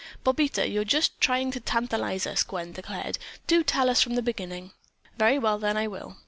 "Bobita, you're just trying to tantalize us," Gwen declared. "Do tell us from the beginning." "Very well then, I will.